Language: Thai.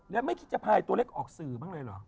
แล้วไม่คิดจะพายตัวเล็กออกสื่อบ้างเลยเหรอ